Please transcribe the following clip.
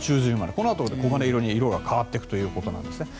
このあと黄金色に変わっていくということなんですね。